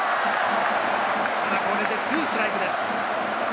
これで２ストライクです。